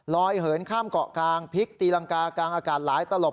เหินข้ามเกาะกลางพลิกตีรังกากลางอากาศหลายตลบ